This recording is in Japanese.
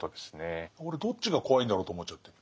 俺どっちが怖いんだろうと思っちゃって。